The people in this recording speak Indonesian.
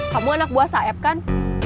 kamu anak buah saib kan